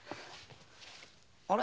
あれ？